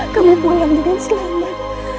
kami pulang dengan selamat